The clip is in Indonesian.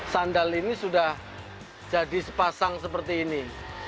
sandal ini sudah jadi sepasang seperti ini